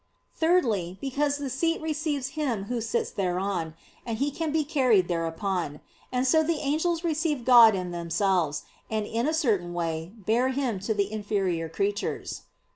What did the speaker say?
Thirdly, because the seat receives him who sits thereon, and he can be carried thereupon; and so the angels receive God in themselves, and in a certain way bear Him to the inferior creatures.